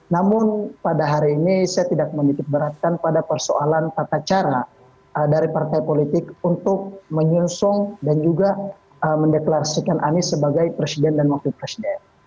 namun pada hari ini saya tidak menitik beratkan pada persoalan tata cara dari partai politik untuk menyusung dan juga mendeklarasikan anies sebagai presiden dan wakil presiden